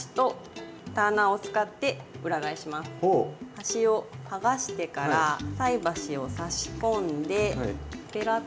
端を剥がしてから菜箸を差し込んでペラッ。